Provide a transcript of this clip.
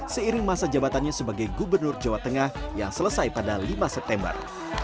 seiring masa jabatannya sebagai gubernur jawa tengah yang selesai pada lima september